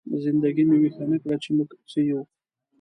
زنده ګي مو ويښه نه کړه، چې موږ څه يو؟!